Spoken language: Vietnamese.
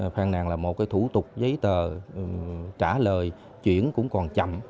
phàn nàn là một cái thủ tục giấy tờ trả lời chuyển cũng còn chậm